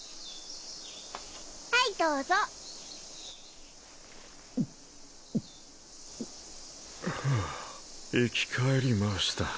はいどうぞふう生き返りました